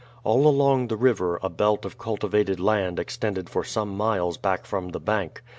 All along the river a belt of cultivated land extended for some miles back from the bank.